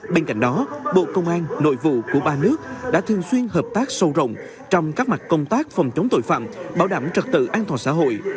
bên cạnh đó bộ công an nội vụ của ba nước đã thường xuyên hợp tác sâu rộng trong các mặt công tác phòng chống tội phạm bảo đảm trật tự an toàn xã hội